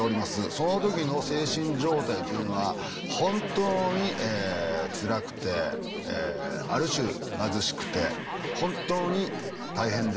その時の精神状態というのは本当につらくてある種貧しくて本当に大変でした。